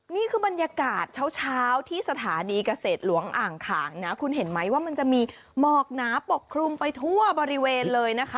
นี่คือบรรยากาศเช้าที่สถานีเกษตรหลวงอ่างขางนะคุณเห็นไหมว่ามันจะมีหมอกหนาปกคลุมไปทั่วบริเวณเลยนะคะ